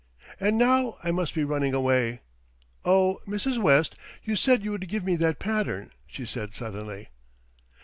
And now I must be running away. Oh! Mrs. West, you said you would give me that pattern," she said suddenly.